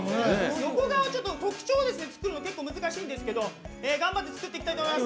横顔、特徴を作るのが難しいんですが頑張って作っていきたいと思います。